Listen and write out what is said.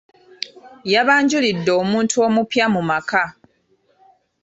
Yabanjulidde omuntu omupya mu maka.